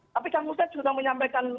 tapi kang uset sudah menyampaikan